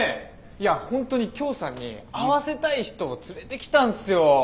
いや本当にきょーさんに会わせたい人を連れてきたんすよ。